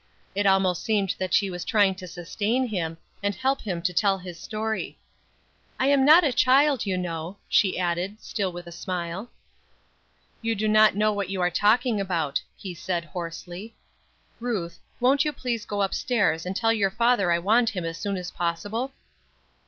It almost seemed that she was trying to sustain him, and help him to tell his story. "I am not a child you know," she added, still with a smile. "You do not know what you are talking about," he said, hoarsely. "Ruth, won't you please go up stairs and tell your father I want him as soon as possible?"